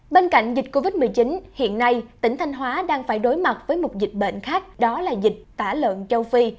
bên cạnh dịch covid một mươi chín hiện nay tỉnh thanh hóa đang phải đối mặt với một dịch bệnh khác đó là dịch tả lợn châu phi